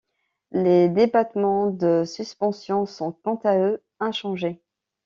Les débattements de suspensions sont quant à eux inchangés.